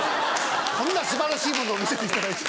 こんな素晴らしいものを見せていただいて。